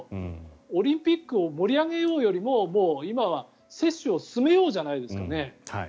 オリンピックを盛り上げようよりももう今は接種を進めようじゃないですかね。